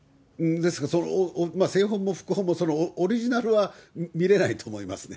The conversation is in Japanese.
ですから、正本も副本も、オリジナルは見れないと思いますね。